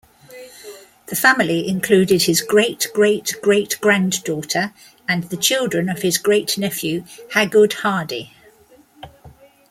The family included his great-great-great-granddaughter and the children of his great-nephew Hagood Hardy.